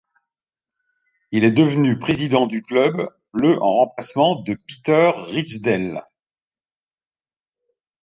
Il est devenu président du club le en remplacement de Peter Ridsdale.